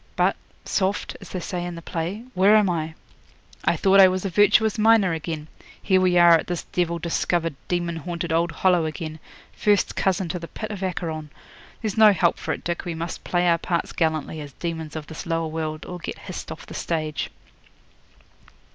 "But, soft," as they say in the play, "where am I?" I thought I was a virtuous miner again. Here we are at this devil discovered, demon haunted old Hollow again first cousin to the pit of Acheron. There's no help for it, Dick. We must play our parts gallantly, as demons of this lower world, or get hissed off the stage.'